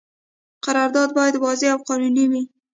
قرارداد باید واضح او قانوني وي.